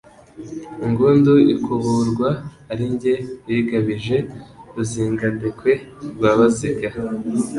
Ingundu ikuburwa ali jye uyigabijeRuzingandekwe rwa Baziga,